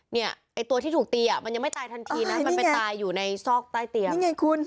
เนี่ยตัวที่ถูกตีอะมันยังไม่ตายทันทีนะมันไปตายอยู่ในซอกใต้เตีียร์